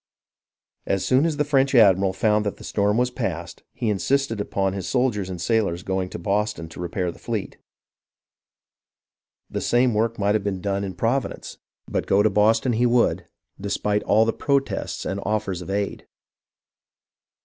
As soon as the French admiral found that the storm was past, he insisted upon his soldiers and sailors going to Boston to repair the fleet. The same work might have been done MONMOUTH AND NEWPORT 247 in Providence, but go to Boston he would, despite all the protests and offers of aid.